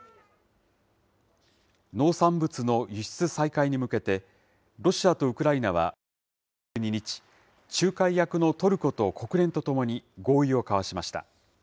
農産物の輸出再開に向けて、ロシアとウクライナは今月２２日、仲介役のトルコと国連とともに合意を交わしました。